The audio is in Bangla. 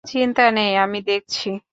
চিন্তা নেই, আমি দেখছি।